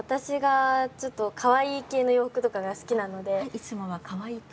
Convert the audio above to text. いつもはかわいい系。